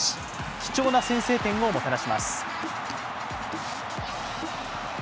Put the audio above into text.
貴重な先制点をもたらします。